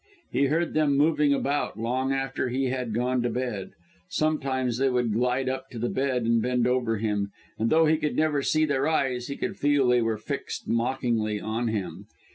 He heard them moving about, long after he had got into bed. Sometimes they would glide up to the bed and bend over him, and though he could never see their eyes, he could feel they were fixed mockingly on him.